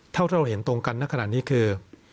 ถ้าเราเห็นตรงกันน่ะขนาดนี้คือ